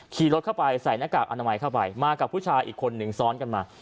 ขี่รถเข้าไปใส่หน้ากากอนามัยเข้าไปมากับผู้ชายอีกคนหนึ่งซ้อนกันมา